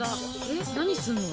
何するの？